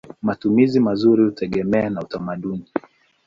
Matumizi mazuri hutegemea na utamaduni.